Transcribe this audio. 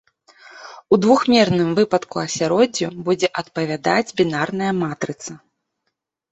У двухмерным выпадку асяроддзю будзе адпавядаць бінарная матрыца.